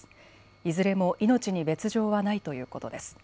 いずれも命に別状はないということです。